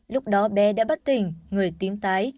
lúc đó bé đã bắt tỉnh người tím tái